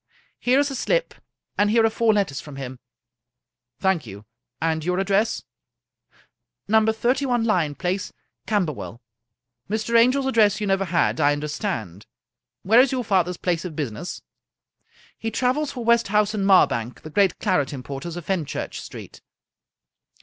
" Here is the slip, and here are four letters from him." " Thank you. And your address ?"" No. 31 Lyon Place, Camberwell." " Mr. Angel's address you never had, I understand. Where is your father's place of business ?"" He travels for Westhouse & Marbank, the great claret importers of Fenchurch Street."